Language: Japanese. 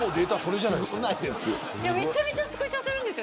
めちゃめちゃスクショするんです。